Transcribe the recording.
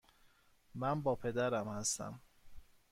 من با پدرم هستم.